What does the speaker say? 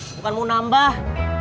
bukan mau nambah